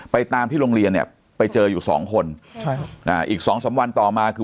ไปตามที่โรงเรียนเนี่ยไปเจออยู่๒คนอีก๒สังวันต่อค่อนข้างมาคือ